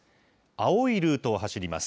青いルートを走ります。